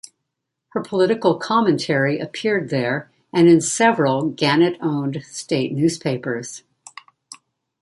Her political commentary appeared there and in several Gannett-owned state newspapers.